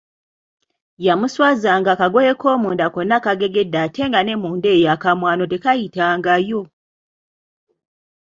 Yamuswaza nga akagoye akoomunda konna kagegedde ate nga ne munda eyo akamwano tekayitangayo.